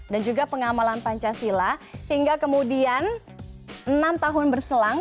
dan juga pengamalan pancasila hingga kemudian enam tahun berselang